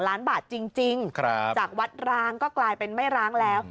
ล้านบาทจริงจากวัดร้างก็กลายเป็นไม่ร้างแล้ว